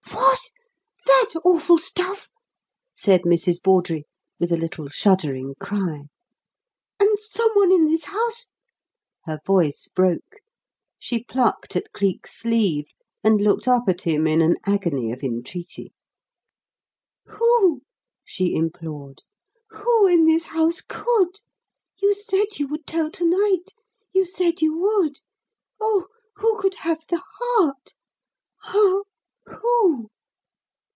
"What! that awful stuff!" said Mrs. Bawdrey, with a little shuddering cry. "And someone in this house " Her voice broke. She plucked at Cleek's sleeve and looked up at him in an agony of entreaty. "Who?" she implored. "Who in this house could? You said you would tell to night you said you would. Oh, who could have the heart? Ah! Who?